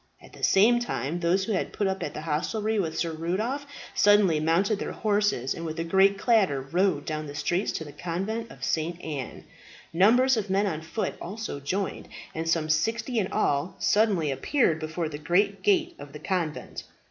At the same time those who had put up at the hostelry with Sir Rudolph suddenly mounted their horses, and with a great clatter rode down the streets to the Convent of St. Anne. Numbers of men on foot also joined, and some sixty in all suddenly appeared before the great gate of the convent.